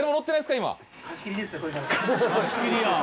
貸し切りやん。